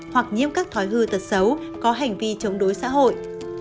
hoặc nhiêm các thói hư thật xấu có hành vi chống đối xã hội